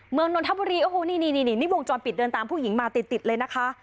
นนทบุรีโอ้โหนี่นี่วงจรปิดเดินตามผู้หญิงมาติดเลยนะคะ